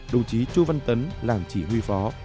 đồng chí chu văn tấn làm chỉ huy phó